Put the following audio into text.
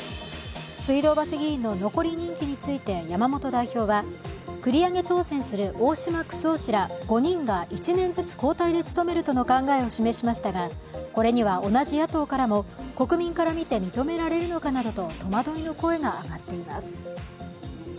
水道橋議員の残り任期について山本代表は繰り上げ当選する大島九州男氏ら５人が１年ずつ交代で務めるとの考えを示しましたがこれには同じ野党からも国民から見て認められるのかなどと戸惑いの声が上がっています。